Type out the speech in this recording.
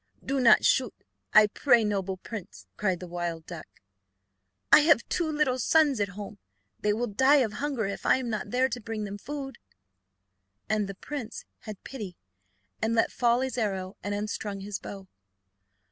"Do not shoot, I pray you, noble prince!" cried the wild duck; "I have two little sons at home; they will die of hunger if I am not there to bring them food." And the prince had pity, and let fall his arrow and unstrung his bow.